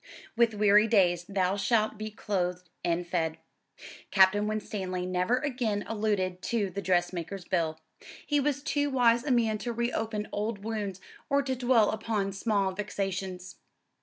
"With weary Days thou shalt be clothed and fed." Captain Winstanley never again alluded to the dressmaker's bill. He was too wise a man to reopen old wounds or to dwell upon small vexations.